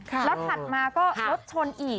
แล้วถัดมาก็รถชนอีก